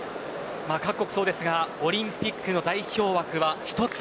各国そうですがオリンピックの代表枠は一つ。